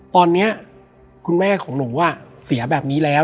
ตอนนี้คุณแม่ของหนูเสียแบบนี้แล้ว